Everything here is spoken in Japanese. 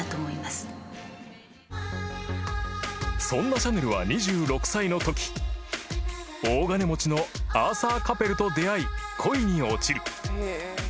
［そんなシャネルは２６歳のとき大金持ちのアーサー・カペルと出会い恋に落ちる］